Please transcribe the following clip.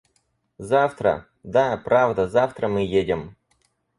Завтра... Да, правда, завтра мы едем.